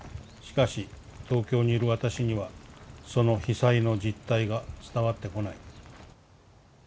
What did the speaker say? しかし東京にいる私にはその被災の実態が伝わってこない。